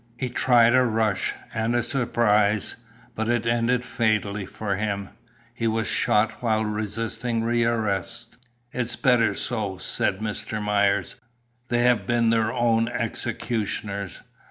He tried a rush and a surprise, but it ended fatally for him. He was shot while resisting re arrest." "It is better so," said Mr. Myers. "They have been their own executioners.